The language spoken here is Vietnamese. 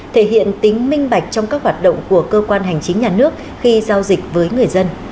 thể hiện tính minh bạch trong các hoạt động của cơ quan hành chính nhà nước khi giao dịch với người dân